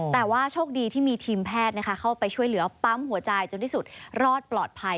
แต่ว่าโชคดีที่มีทีมแพทย์เข้าไปช่วยเหลือปั๊มหัวใจจนที่สุดรอดปลอดภัย